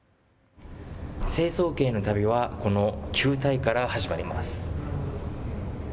成層圏への旅はこの球体から始まります。